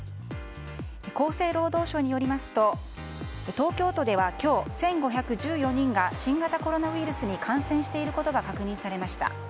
厚生労働省によりますと東京都では今日１５１４人が新型コロナウイルスに感染していることが確認されました。